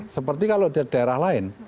seperti kalau di daerah lain